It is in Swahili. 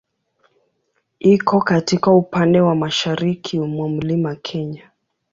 Iko katika upande wa mashariki mwa Mlima Kenya.